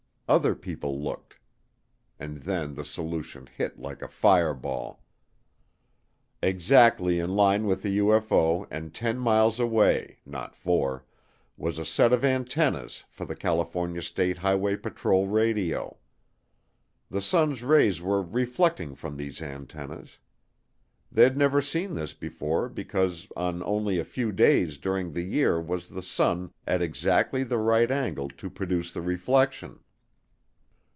Other people looked. And then the solution hit like a fireball. Exactly in line with the UFO, and ten miles away, not four, was a set of antennas for the California State Highway Patrol radio. The sun's rays were reflecting from these antennas. They'd never seen this before because on only a few days during the year was the sun at exactly the right angle to produce the reflection.